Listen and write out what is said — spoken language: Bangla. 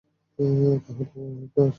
তাহলো মহান আরশ।